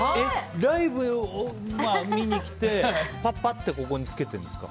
ライブを見に来て「パパ」って着けてるんですか。